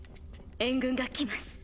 援軍が来ます。